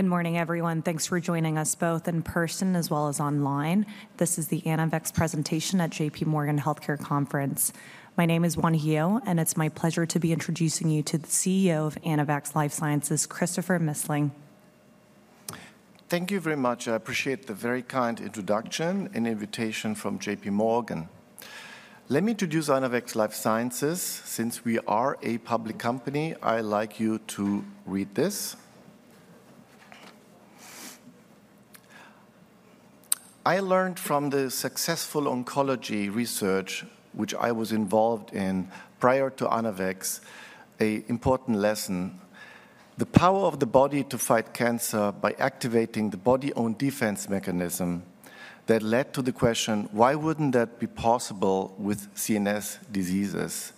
Good morning, everyone. Thanks for joining us both in person as well as online. This is the Anavex Presentation at J.P. Morgan Healthcare Conference. My name is Wanyu, and it's my pleasure to be introducing you to the CEO of Anavex Life Sciences, Christopher Missling. Thank you very much. I appreciate the very kind introduction and invitation from J.P. Morgan. Let me introduce Anavex Life Sciences. Since we are a public company, I'd like you to read this. "I learned from the successful oncology research, which I was involved in prior to Anavex, an important lesson: the power of the body to fight cancer by activating the body's own defense mechanism that led to the question, 'Why wouldn't that be possible with CNS diseases,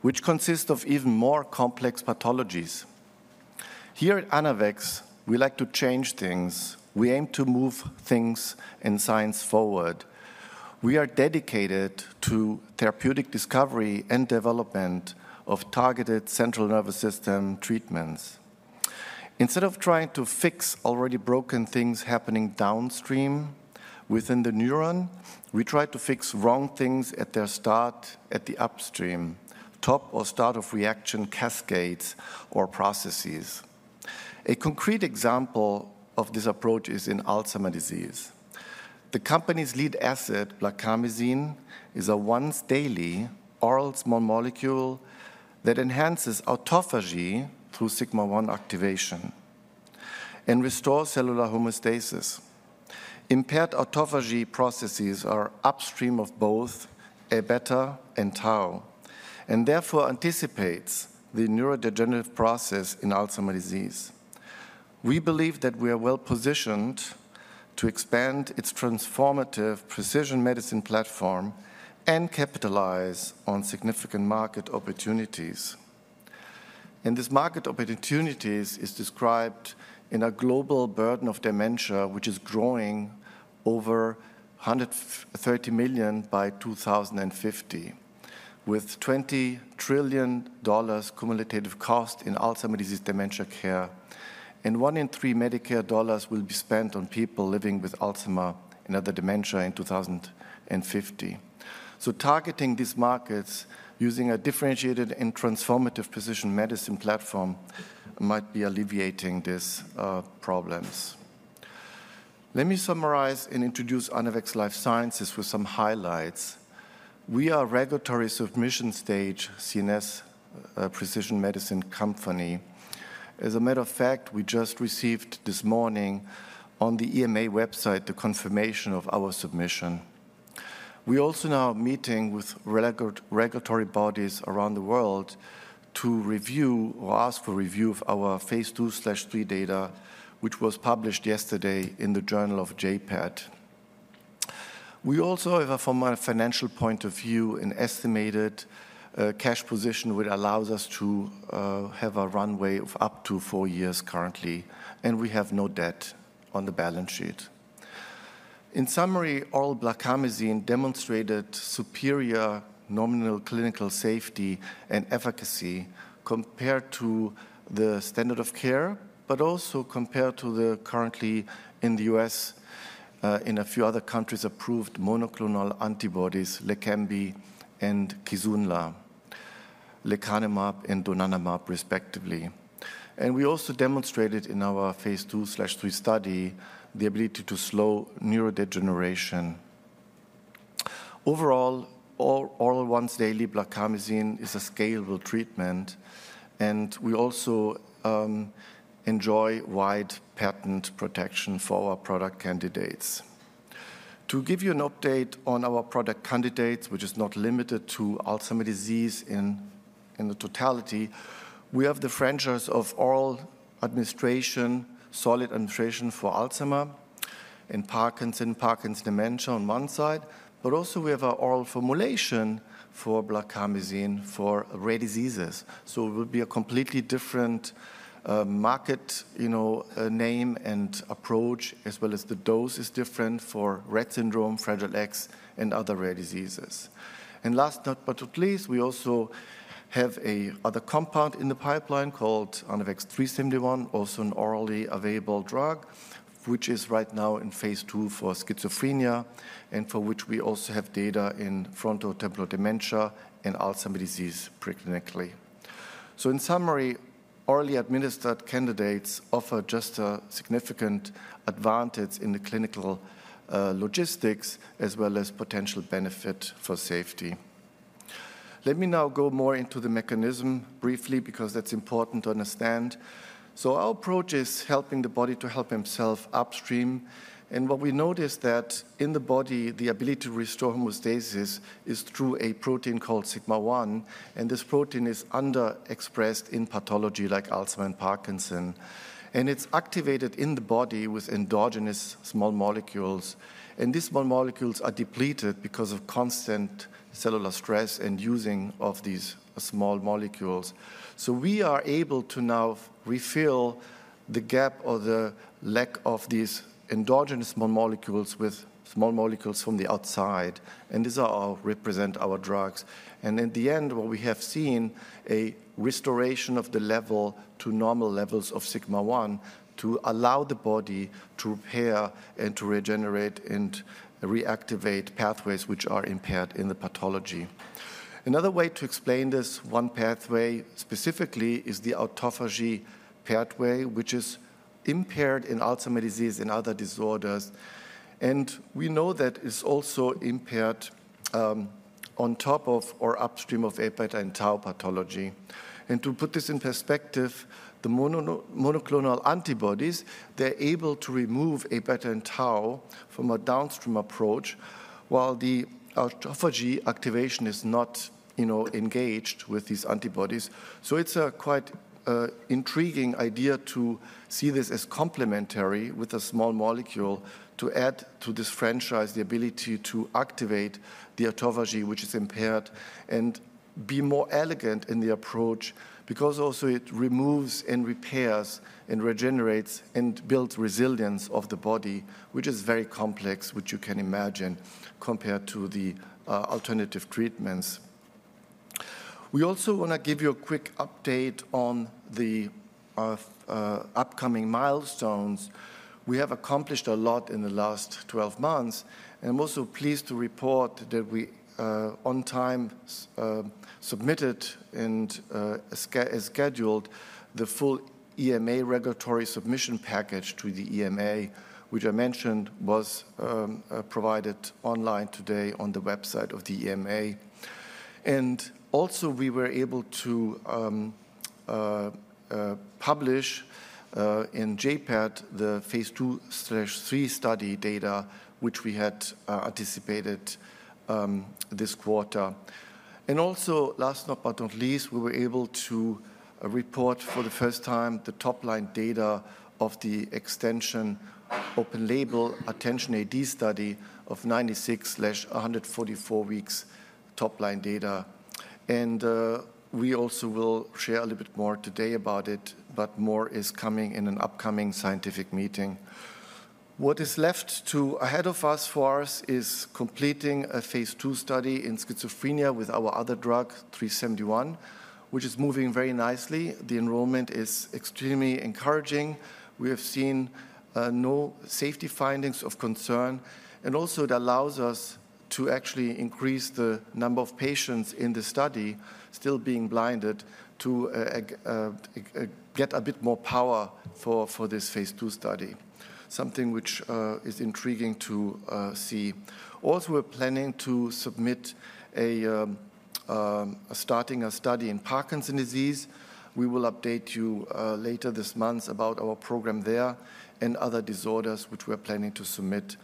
which consist of even more complex pathologies?' Here at Anavex, we like to change things. We aim to move things and science forward. We are dedicated to therapeutic discovery and development of targeted central nervous system treatments. Instead of trying to fix already broken things happening downstream within the neuron, we try to fix wrong things at their start at the upstream, top or start of reaction cascades or processes. A concrete example of this approach is in Alzheimer's disease. The company's lead asset, blarcamesine, is a once-daily oral small molecule that enhances autophagy through sigma-1 activation and restores cellular homeostasis. Impaired autophagy processes are upstream of both amyloid beta and tau, and therefore anticipate the neurodegenerative process in Alzheimer's disease. We believe that we are well positioned to expand its transformative precision medicine platform and capitalize on significant market opportunities, and these market opportunities are described in a global burden of dementia, which is growing over 130 million by 2050, with $20 trillion cumulative cost in Alzheimer's disease dementia care, and one in three Medicare dollars will be spent on people living with Alzheimer's and other dementia in 2050, so targeting these markets using a differentiated and transformative precision medicine platform might be alleviating these problems. Let me summarize and introduce Anavex Life Sciences with some highlights. We are a regulatory submission stage CNS precision medicine company. As a matter of fact, we just received this morning on the EMA website the confirmation of our submission. We are also now meeting with regulatory bodies around the world to review or ask for review of our phase 2/3 data, which was published yesterday in the Journal of JPET. We also have, from a financial point of view, an estimated cash position which allows us to have a runway of up to four years currently, and we have no debt on the balance sheet. In summary, oral blarcamesine demonstrated superior nominal clinical safety and efficacy compared to the standard of care, but also compared to the currently in the US, in a few other countries approved monoclonal antibodies, leqembi and kisunla, lecanemab and donanemab, respectively, and we also demonstrated in our phase 2/3 study the ability to slow neurodegeneration. Overall, oral once-daily Blarcamesine is a scalable treatment, and we also enjoy wide patent protection for our product candidates. To give you an update on our product candidates, which is not limited to Alzheimer's disease in the totality, we have the franchise of oral administration, solid administration for Alzheimer's and Parkinson's, Parkinson's dementia on one side, but also we have our oral formulation for Blarcamesine for rare diseases, so it will be a completely different market name and approach, as well as the dose is different for Rett syndrome, Fragile X, and other rare diseases, and last but not least, we also have another compound in the pipeline called Anavex 3-71, also an orally available drug, which is right now in phase 2 for schizophrenia and for which we also have data in frontotemporal dementia and Alzheimer's disease preclinically. So in summary, orally administered candidates offer just a significant advantage in the clinical logistics, as well as potential benefit for safety. Let me now go more into the mechanism briefly, because that's important to understand. So our approach is helping the body to help himself upstream. And what we notice is that in the body, the ability to restore homeostasis is through a protein called sigma-1, and this protein is underexpressed in pathology like Alzheimer's and Parkinson's. And it's activated in the body with endogenous small molecules. And these small molecules are depleted because of constant cellular stress and using of these small molecules. So we are able to now refill the gap or the lack of these endogenous small molecules with small molecules from the outside. And these represent our drugs. In the end, what we have seen is a restoration of the level to normal levels of sigma-1 to allow the body to repair and to regenerate and reactivate pathways which are impaired in the pathology. Another way to explain this one pathway specifically is the autophagy pathway, which is impaired in Alzheimer's disease and other disorders. We know that it's also impaired on top of or upstream of amyloid beta and tau pathology. To put this in perspective, the monoclonal antibodies, they're able to remove amyloid beta and tau from a downstream approach, while the autophagy activation is not engaged with these antibodies. It's a quite intriguing idea to see this as complementary with a small molecule to add to this franchise the ability to activate the autophagy, which is impaired, and be more elegant in the approach, because also it removes and repairs and regenerates and builds resilience of the body, which is very complex, which you can imagine, compared to the alternative treatments. We also want to give you a quick update on the upcoming milestones. We have accomplished a lot in the last 12 months. I'm also pleased to report that we on time submitted and scheduled the full EMA regulatory submission package to the EMA, which I mentioned was provided online today on the website of the EMA. We were able to publish in JPET the phase 2/3 study data, which we had anticipated this quarter. And also, last but not least, we were able to report for the first time the top-line data of the extension open-label extension AD study of 96/144 weeks top-line data. And we also will share a little bit more today about it, but more is coming in an upcoming scientific meeting. What is left ahead of us for us is completing a phase 2 study in schizophrenia with our other drug, 371, which is moving very nicely. The enrollment is extremely encouraging. We have seen no safety findings of concern. And also, it allows us to actually increase the number of patients in the study still being blinded to get a bit more power for this phase 2 study, something which is intriguing to see. Also, we're planning to start a study in Parkinson's disease. We will update you later this month about our program there and other disorders which we are planning to submit.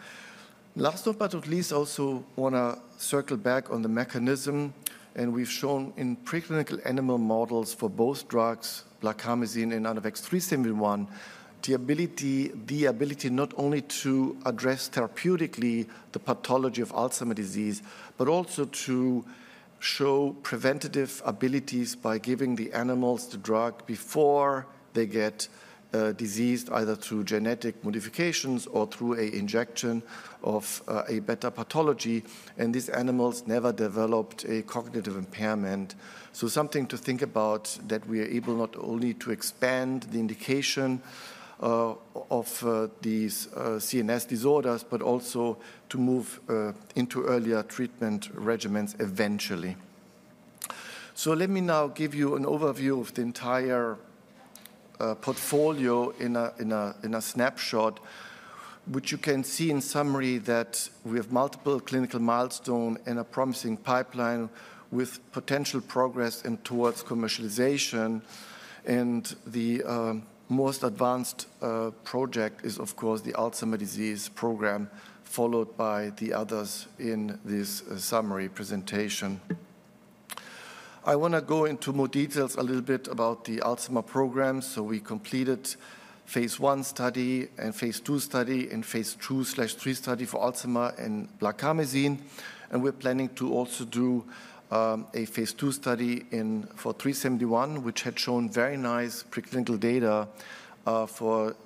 Last but not least, I also want to circle back on the mechanism, and we've shown in preclinical animal models for both drugs, Blarcamesine and Anavex 3-71, the ability not only to address therapeutically the pathology of Alzheimer's disease, but also to show preventative abilities by giving the animals the drug before they get diseased, either through genetic modifications or through an injection of amyloid beta pathology, and these animals never developed a cognitive impairment, so something to think about that we are able not only to expand the indication of these CNS disorders, but also to move into earlier treatment regimens eventually. So let me now give you an overview of the entire portfolio in a snapshot, which you can see in summary that we have multiple clinical milestones and a promising pipeline with potential progress and towards commercialization. And the most advanced project is, of course, the Alzheimer's disease program, followed by the others in this summary presentation. I want to go into more details a little bit about the Alzheimer's program. So we completed phase 1 study and phase 2 study and phase 2/3 study for Alzheimer's and Blarcamesine. And we're planning to also do a phase 2 study for 371, which had shown very nice preclinical data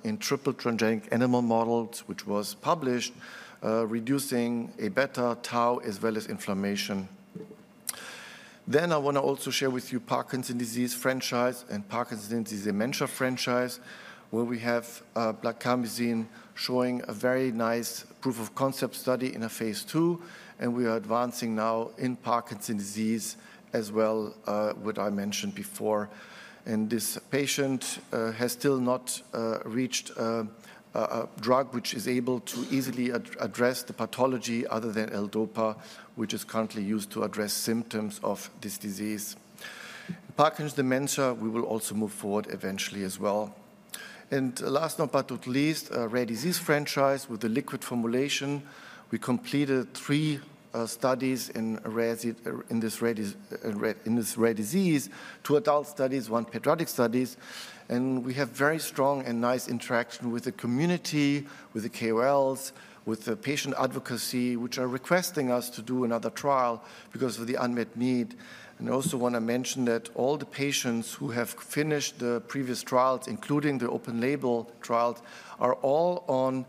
in triple transgenic animal models, which was published, reducing amyloid beta, tau, as well as inflammation. Then I want to also share with you Parkinson's disease franchise and Parkinson's disease dementia franchise, where we have Blarcamesine showing a very nice proof of concept study in a phase 2. We are advancing now in Parkinson's disease as well, which I mentioned before. This patient has still not reached a drug which is able to easily address the pathology other than L-DOPA, which is currently used to address symptoms of this disease. Parkinson's dementia, we will also move forward eventually as well. Last but not least, rare disease franchise with the liquid formulation. We completed three studies in this rare disease: two adult studies, one pediatric studies. We have very strong and nice interaction with the community, with the KOLs, with the patient advocacy, which are requesting us to do another trial because of the unmet need. I also want to mention that all the patients who have finished the previous trials, including the open label trials, are all on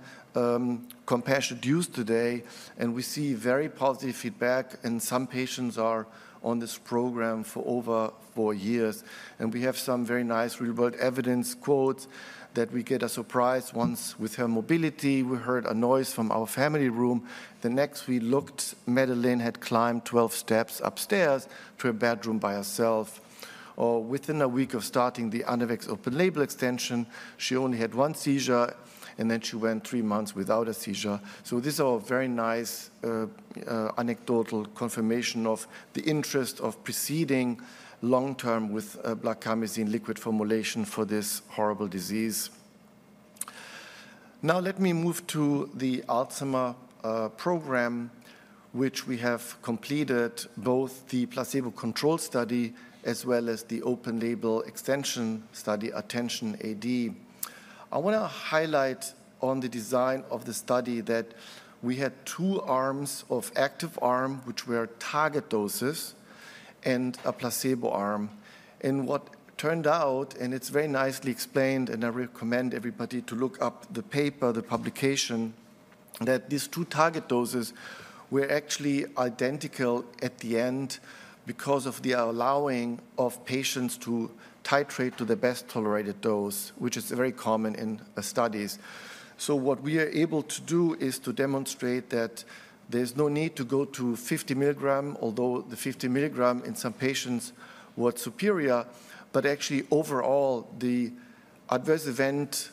compassionate use today. We see very positive feedback. Some patients are on this program for over four years. We have some very nice real-world evidence quotes. We got a surprise once with her mobility. We heard a noise from our family room. Then we looked. Madeline had climbed 12 steps upstairs to a bedroom by herself. Within a week of starting the Anavex open label extension, she only had one seizure, and then she went three months without a seizure. These are very nice anecdotal confirmation of the interest of proceeding long-term with blarcamesine liquid formulation for this horrible disease. Now let me move to the Alzheimer's program, which we have completed, both the placebo control study as well as the open-label extension study ATTENTION-AD. I want to highlight on the design of the study that we had two arms of active arms, which were target doses, and a placebo arm. And what turned out, and it's very nicely explained, and I recommend everybody to look up the paper, the publication, that these two target doses were actually identical at the end because of the allowing of patients to titrate to the best tolerated dose, which is very common in studies. So what we are able to do is to demonstrate that there's no need to go to 50 milligram, although the 50 milligram in some patients was superior. But actually, overall, the adverse event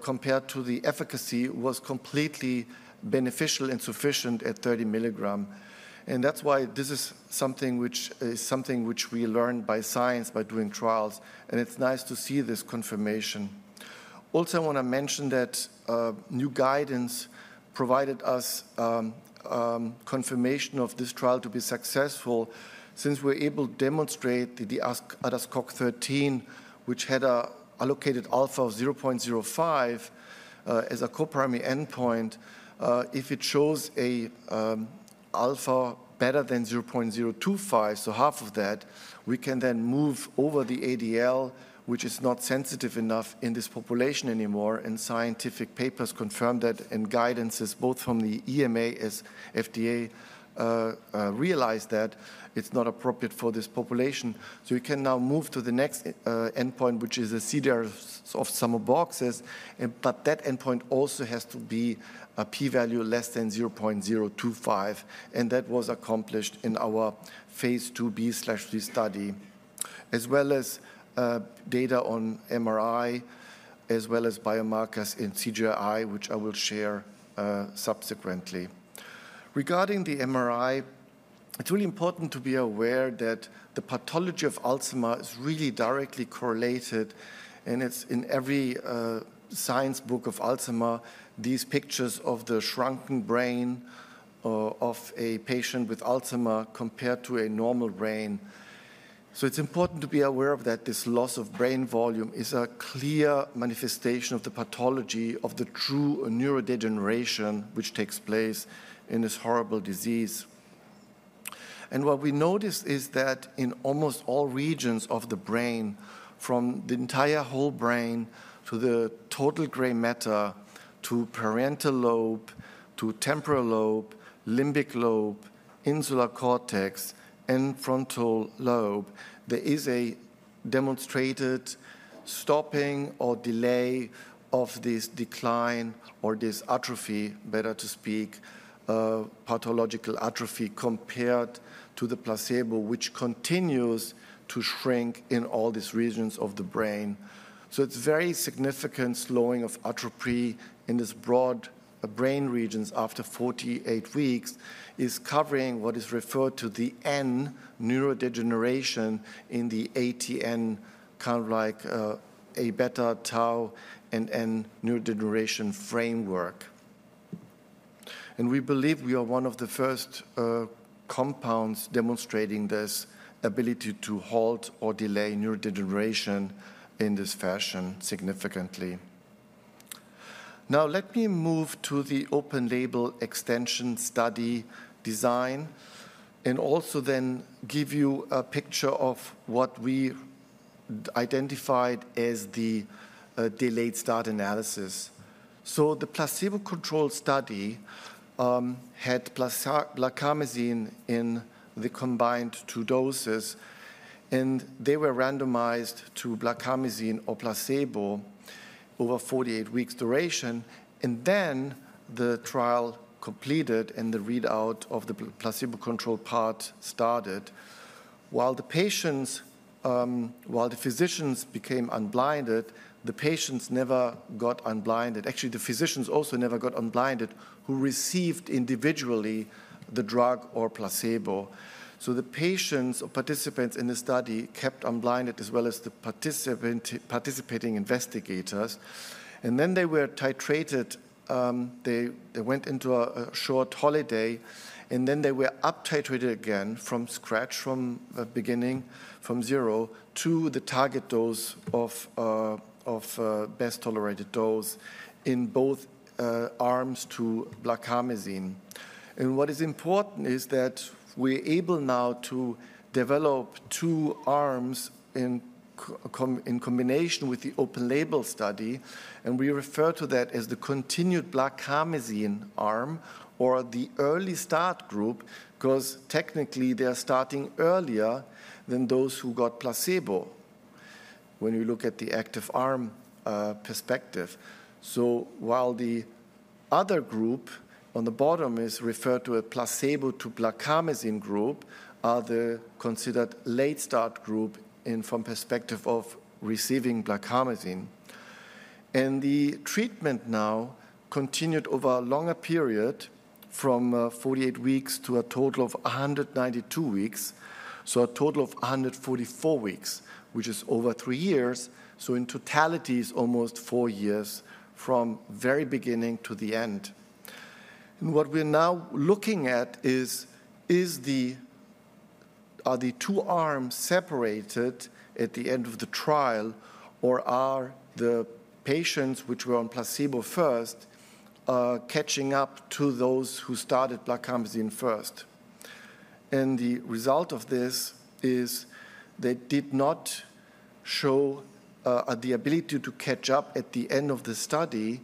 compared to the efficacy was completely beneficial and sufficient at 30 milligram. That's why this is something which we learned by science by doing trials. It's nice to see this confirmation. Also, I want to mention that new guidance provided us confirmation of this trial to be successful since we're able to demonstrate the ADAS-Cog13, which had an allocated alpha of 0.05 as a coprimary endpoint. If it shows an alpha better than 0.025, so half of that, we can then move over the ADL, which is not sensitive enough in this population anymore. Scientific papers confirm that, and guidances both from the EMA and FDA realized that it's not appropriate for this population. You can now move to the next endpoint, which is the CDR-SB. But that endpoint also has to be a p-value less than 0.025. That was accomplished in our phase 2b/3 study, as well as data on MRI, as well as biomarkers in CSF, which I will share subsequently. Regarding the MRI, it's really important to be aware that the pathology of Alzheimer's is really directly correlated, and it's in every science book of Alzheimer's, these pictures of the shrunken brain of a patient with Alzheimer's compared to a normal brain, so it's important to be aware of that this loss of brain volume is a clear manifestation of the pathology of the true neurodegeneration, which takes place in this horrible disease. What we noticed is that in almost all regions of the brain, from the entire whole brain to the total gray matter to parietal lobe to temporal lobe, limbic lobe, insular cortex, and frontal lobe, there is a demonstrated stopping or delay of this decline or this atrophy, better to speak, pathological atrophy compared to the placebo, which continues to shrink in all these regions of the brain. It's very significant slowing of atrophy in these broad brain regions after 48 weeks, covering what is referred to as the N neurodegeneration in the ATN framework, kind of like amyloid beta, tau, and N neurodegeneration. We believe we are one of the first compounds demonstrating this ability to halt or delay neurodegeneration in this fashion significantly. Now let me move to the open label extension study design and also then give you a picture of what we identified as the delayed start analysis, so the placebo control study had blarcamesine in the combined two doses, and they were randomized to blarcamesine or placebo over 48 weeks' duration, and then the trial completed and the readout of the placebo control part started. While the physicians became unblinded, the patients never got unblinded. Actually, the physicians also never got unblinded who received individually the drug or placebo, so the patients or participants in the study kept unblinded as well as the participating investigators, and then they were titrated. They went into a short holiday, and then they were uptitrated again from scratch, from the beginning, from zero to the target dose of best tolerated dose in both arms to blarcamesine. What is important is that we're able now to develop two arms in combination with the open label study. We refer to that as the continued Blarcamesine arm or the early start group because technically they are starting earlier than those who got placebo when you look at the active arm perspective. While the other group on the bottom is referred to a placebo to Blarcamesine group, are the considered late start group from perspective of receiving Blarcamesine. The treatment now continued over a longer period from 48 weeks to a total of 192 weeks, so a total of 144 weeks, which is over three years. In totality, it's almost four years from very beginning to the end. What we're now looking at is, are the two arms separated at the end of the trial, or are the patients which were on placebo first catching up to those who started Blarcamesine first? And the result of this is they did not show the ability to catch up at the end of the study.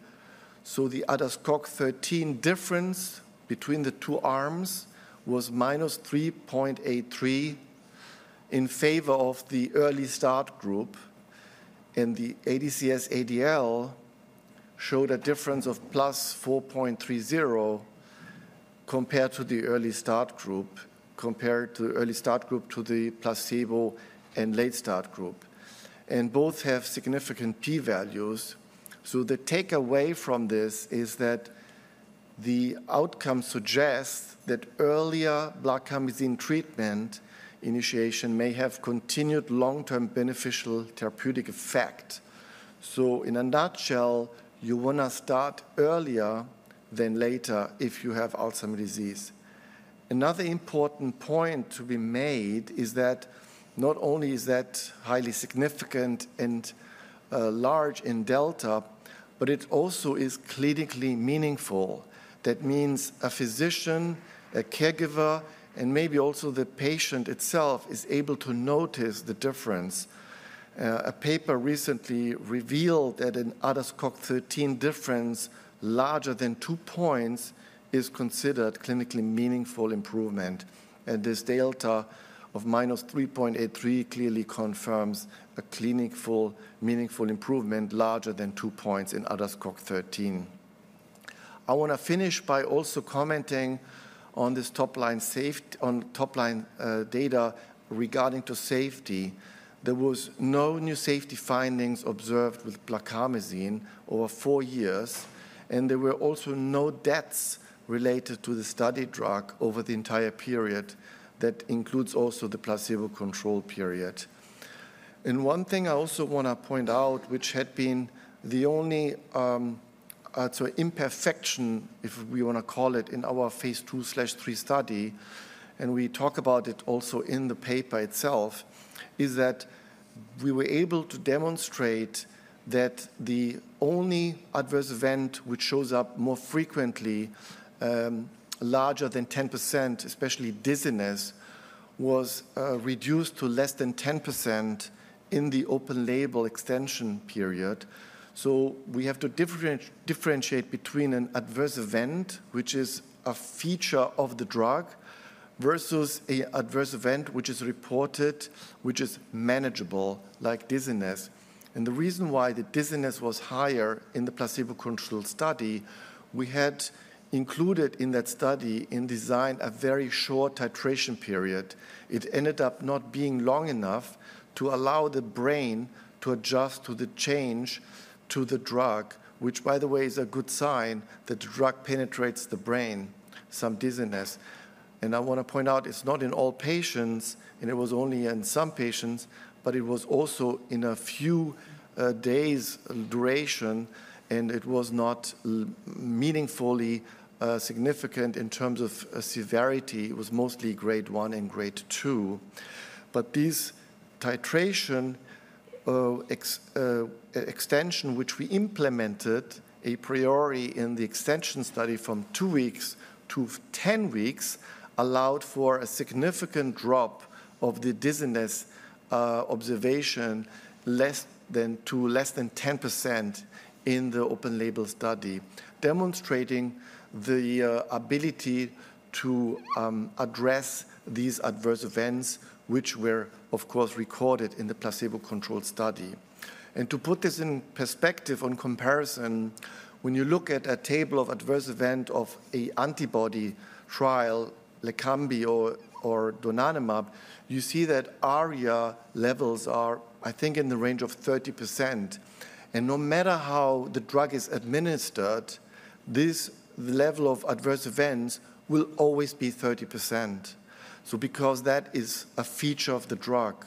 So the ADAS-Cog13 difference between the two arms was minus 3.83 in favor of the early start group. And the ADCS-ADL showed a difference of plus 4.30 compared to the early start group, compared to the early start group to the placebo and late start group. And both have significant p-values. So the takeaway from this is that the outcome suggests that earlier Blarcamesine treatment initiation may have continued long-term beneficial therapeutic effect. So in a nutshell, you want to start earlier than later if you have Alzheimer's disease. Another important point to be made is that not only is that highly significant and large in delta, but it also is clinically meaningful. That means a physician, a caregiver, and maybe also the patient itself is able to notice the difference. A paper recently revealed that an ADAS-Cog13 difference larger than two points is considered clinically meaningful improvement. And this delta of minus 3.83 clearly confirms a clinically meaningful improvement larger than two points in ADAS-Cog13. I want to finish by also commenting on this top-line data regarding safety. There were no new safety findings observed with blarcamesine over four years. And there were also no deaths related to the study drug over the entire period that includes also the placebo control period. And one thing I also want to point out, which had been the only, so imperfection, if we want to call it, in our phase 2/3 study, and we talk about it also in the paper itself, is that we were able to demonstrate that the only adverse event which shows up more frequently, larger than 10%, especially dizziness, was reduced to less than 10% in the open-label extension period. So we have to differentiate between an adverse event, which is a feature of the drug, versus an adverse event which is reported, which is manageable, like dizziness. And the reason why the dizziness was higher in the placebo-controlled study, we had included in that study in design a very short titration period. It ended up not being long enough to allow the brain to adjust to the change to the drug, which, by the way, is a good sign that the drug penetrates the brain, some dizziness. And I want to point out it's not in all patients, and it was only in some patients, but it was also in a few days' duration. And it was not meaningfully significant in terms of severity. It was mostly grade 1 and grade 2. But this titration extension, which we implemented a priori in the extension study from two weeks to 10 weeks, allowed for a significant drop of the dizziness observation to less than 10% in the open label study, demonstrating the ability to address these adverse events, which were, of course, recorded in the placebo control study. To put this in perspective on comparison, when you look at a table of adverse event of an antibody trial, Leqembi or donanemab, you see that ARIA levels are, I think, in the range of 30%. And no matter how the drug is administered, this level of adverse events will always be 30%. So because that is a feature of the drug,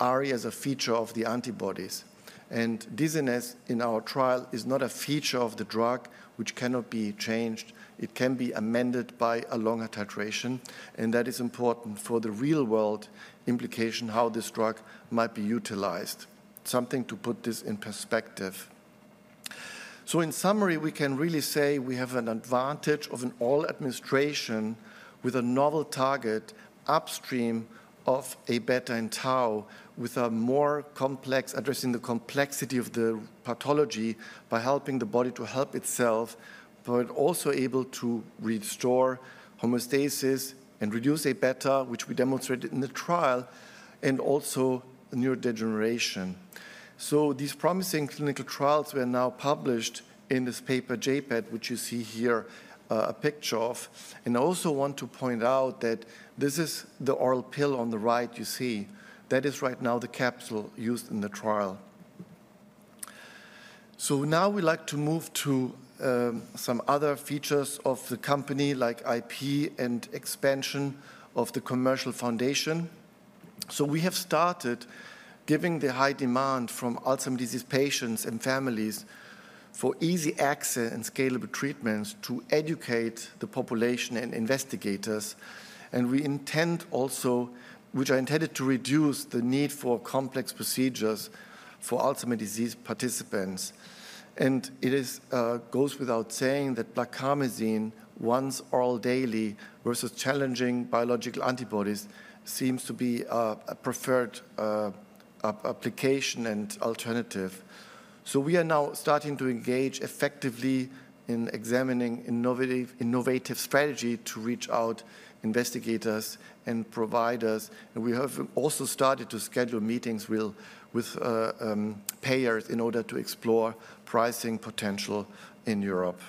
ARIA is a feature of the antibodies. And dizziness in our trial is not a feature of the drug, which cannot be changed. It can be amended by a longer titration. And that is important for the real-world implication, how this drug might be utilized, something to put this in perspective. So in summary, we can really say we have an advantage of an oral administration with a novel target upstream of amyloid beta and tau, with a more complex approach addressing the complexity of the pathology by helping the body to help itself, but also able to restore homeostasis and reduce amyloid beta, which we demonstrated in the trial, and also neurodegeneration. These promising clinical trials are now published in this paper, JPET, which you see here a picture of. I also want to point out that this is the oral pill on the right you see. That is right now the capsule used in the trial. Now we'd like to move to some other features of the company, like IP and expansion of the commercial foundation. We have started giving the high demand from Alzheimer's disease patients and families for easy access and scalable treatments to educate the population and investigators. We intend also, which are intended to reduce the need for complex procedures for Alzheimer's disease participants. It goes without saying that Blarcamesine, once oral daily versus challenging biological antibodies, seems to be a preferred application and alternative. We are now starting to engage effectively in examining an innovative strategy to reach out investigators and providers. We have also started to schedule meetings with payers in order to explore pricing potential in Europe.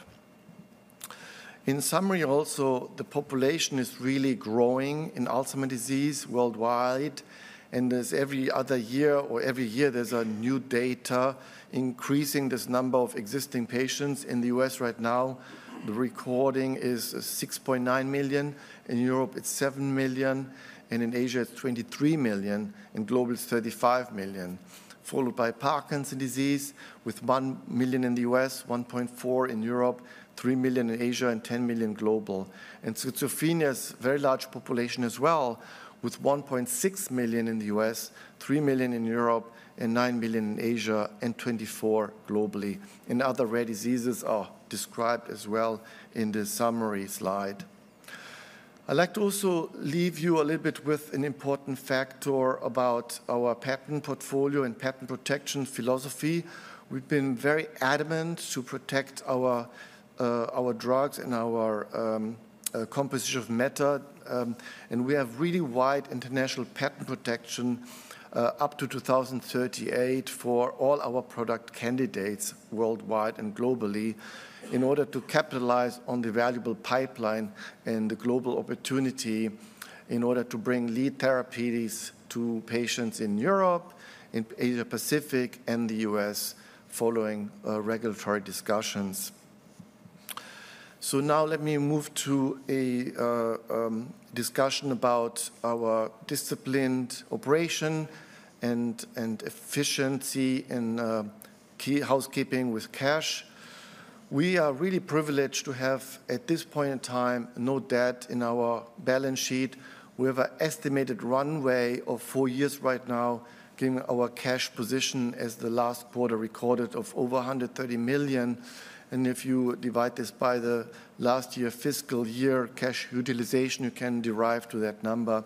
In summary, also, the population is really growing in Alzheimer's disease worldwide. As every other year or every year, there's new data increasing this number of existing patients. In the U.S. right now, the recording is 6.9 million. In Europe, it's 7 million. And in Asia, it's 23 million. In global, it's 35 million, followed by Parkinson's disease with one million in the U.S., 1.4 in Europe, three million in Asia, and 10 million globally. And schizophrenia is a very large population as well, with 1.6 million in the U.S., three million in Europe, and nine million in Asia, and 24 million globally. And other rare diseases are described as well in the summary slide. I'd like to also leave you a little bit with an important factor about our patent portfolio and patent protection philosophy. We've been very adamant to protect our drugs and our composition of matter. We have really wide international patent protection up to 2038 for all our product candidates worldwide and globally in order to capitalize on the valuable pipeline and the global opportunity in order to bring lead therapies to patients in Europe, in Asia-Pacific, and the U.S. following regulatory discussions. Now let me move to a discussion about our disciplined operation and efficiency and key housekeeping with cash. We are really privileged to have, at this point in time, no debt in our balance sheet. We have an estimated runway of four years right now, giving our cash position as the last quarter recorded of over $130 million. If you divide this by the last year fiscal year cash utilization, you can derive to that number.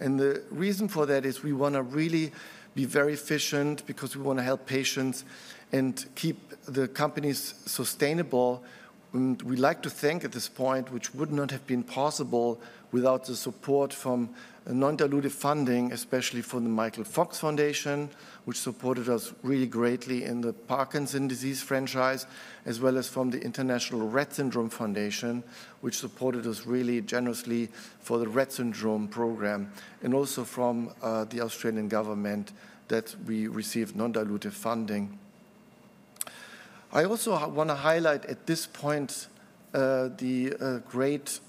And the reason for that is we want to really be very efficient because we want to help patients and keep the companies sustainable. And we'd like to thank at this point, which would not have been possible without the support from non-dilutive funding, especially from The Michael J. Fox Foundation, which supported us really greatly in the Parkinson's disease franchise, as well as from the International Rett Syndrome Foundation, which supported us really generously for the Rett syndrome program, and also from the Australian government that we received non-dilutive funding. I also want to highlight at this point the great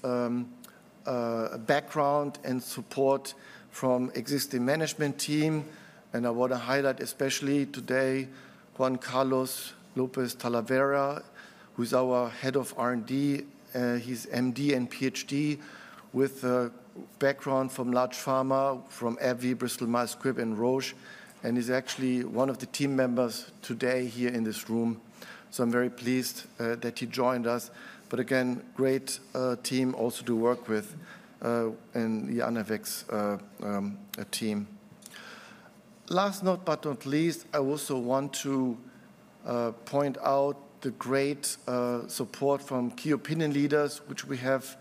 background and support from the existing management team. And I want to highlight especially today Juan Carlos Lopez Talavera, who is our Head of R&D. He's an MD and PhD with a background from large pharma from AbbVie, Bristol-Myers Squibb and Roche, and is actually one of the team members today here in this room. So I'm very pleased that he joined us. But again, great team also to work with and the Anavex team. Last but not least, I also want to point out the great support from key opinion leaders, which we have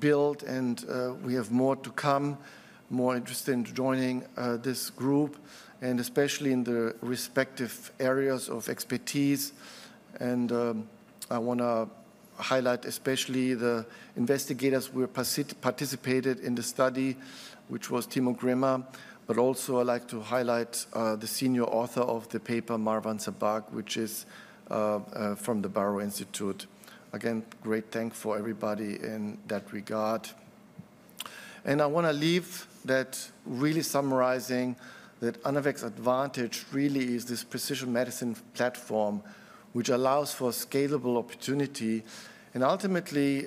built, and we have more to come, more interested in joining this group, and especially in the respective areas of expertise and I want to highlight especially the investigators who participated in the study, which was Timo Grimmer but also, I'd like to highlight the senior author of the paper, Marwan Sabbagh, which is from the Barrow Institute. Again, great thanks for everybody in that regard. And I want to leave that really summarizing that Anavex Advantage really is this precision medicine platform, which allows for scalable opportunity. And ultimately,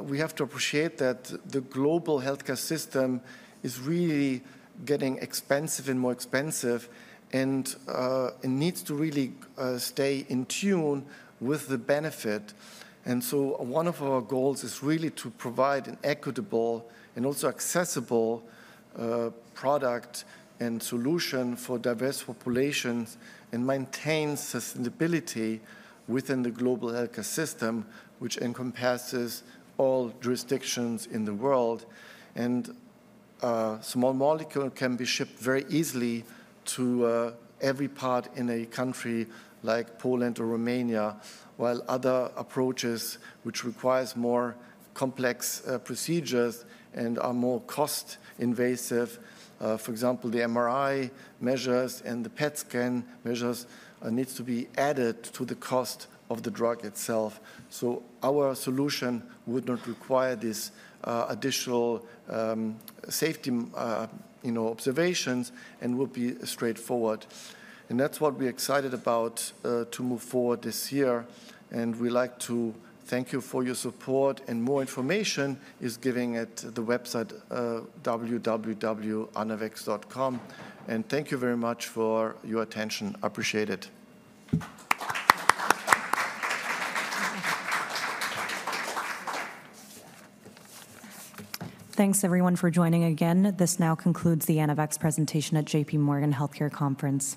we have to appreciate that the global healthcare system is really getting expensive and more expensive, and it needs to really stay in tune with the benefit. And so one of our goals is really to provide an equitable and also accessible product and solution for diverse populations and maintain sustainability within the global healthcare system, which encompasses all jurisdictions in the world. And small molecules can be shipped very easily to every part in a country like Poland or Romania, while other approaches, which require more complex procedures and are more cost-invasive, for example, the MRI measures and the PET scan measures, need to be added to the cost of the drug itself. So our solution would not require this additional safety observations and would be straightforward. And that's what we're excited about to move forward this year. And we'd like to thank you for your support. And more information is given at the website www.anavex.com. And thank you very much for your attention. I appreciate it. Thanks, everyone, for joining again. This now concludes the Anavex presentation at J.P. Morgan Healthcare Conference.